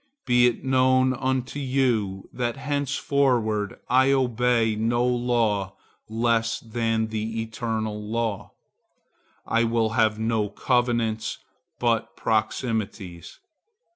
Be it known unto you that henceforward I obey no law less than the eternal law. I will have no covenants but proximities.